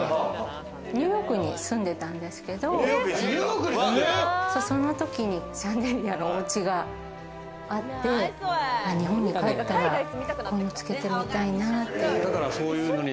ニューヨークに住んでたんですけど、そのときにシャンデリアのおうちがあって、日本に帰ったら、こういうのをつけてみたいなっていう。